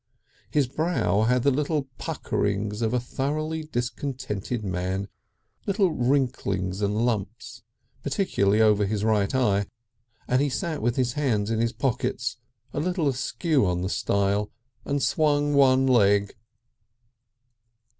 His brow had the little puckerings of a thoroughly discontented man, little wrinklings and lumps, particularly over his right eye, and he sat with his hands in his pockets, a little askew on the stile and swung one leg.